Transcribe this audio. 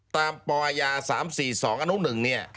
ตามปย๓๔๒อน๑